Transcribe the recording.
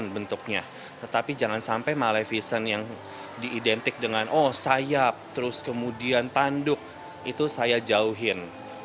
mereka gaun bentuknya tetapi jangan sampai maleficent yang diidentik dengan sayap terus kemudian tanduk itu saya jauhin